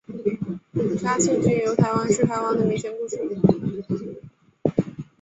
嘉庆君游台湾是台湾的民间故事。